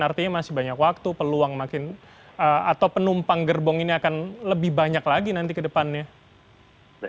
artinya masih banyak waktu peluang makin atau penumpang gerbong ini akan lebih banyak lagi nanti ke depannya